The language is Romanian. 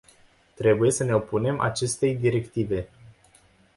Trebuie să ne opunem acestei directive.